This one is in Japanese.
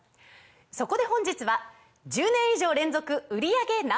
そこで本日は１０年以上連続売り上げＮｏ．１